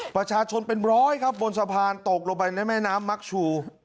ประชาชนเป็น๑๐๐ครับบนสะพานตกลงในน้ำมักชู